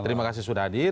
terima kasih sudah hadir